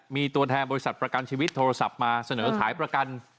มีตัวแทนบริษัทประกันชีวิตโทรศัพท์มาเสนอขายประกัน